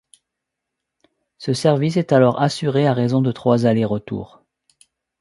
Ce service est alors assuré à raison de trois aller-retours.